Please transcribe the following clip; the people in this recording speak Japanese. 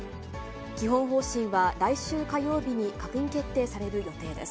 基本方針は来週火曜日に閣議決定される予定です。